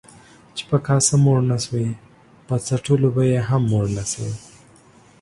چي په کاسه موړ نسوې ، په څټلو به يې هم موړ نسې.